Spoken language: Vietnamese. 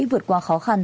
vượt qua khó khăn